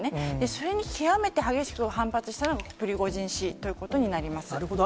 それに極めて激しく反発したのがプリゴジン氏ということになりまなるほど。